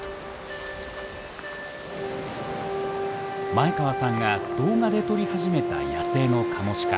前川さんが動画で撮り始めた野生のカモシカ。